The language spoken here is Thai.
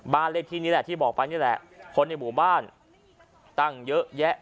เลขที่นี้แหละที่บอกไปนี่แหละคนในหมู่บ้านตั้งเยอะแยะ